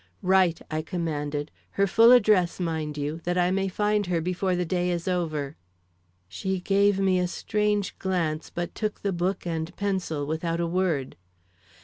"Write," I, commanded; "her full address, mind you, that I may find her before the day is over." She gave me a strange glance but took the book and pencil without a word.